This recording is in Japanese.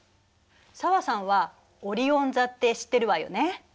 紗和さんはオリオン座って知ってるわよね。